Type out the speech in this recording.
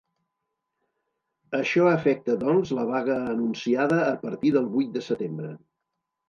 Això afecta, doncs, la vaga anunciada a partir del vuit de setembre.